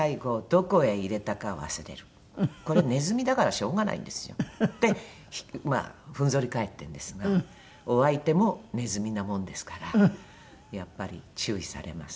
これは子だからしょうがないんですよってまあふんぞり返ってるんですがお相手も子なもんですからやっぱり注意されます。